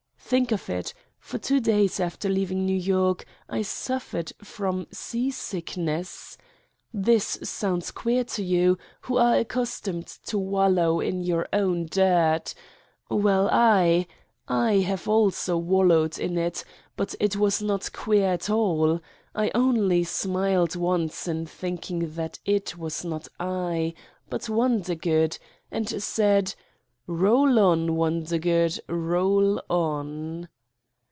Think of it: for two days, after leaving New York, I suffered from seasickness! This sounds queer to you, who are accustomed to wallow in your own dirt? Well, I I have also wallowed in it but it was not queer at all. I only smiled once in thinking that it was not I, but Wondergood, and said : "Boll on, Wondergood, roll on!"